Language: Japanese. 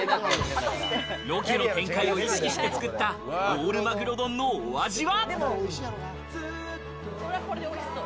ロケの展開を意識して作ったオールマグロ丼のお味は？